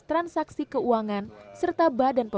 pembangunan telah dilakukan secara intensif selama satu tahun ini